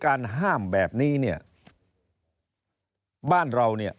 การห้ามแบบนี้เนี่ยบ้านเราเนี่ย